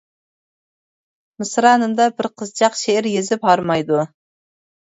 مىسرانىمدا بىر قىزچاق، شېئىر يېزىپ ھارمايدۇ.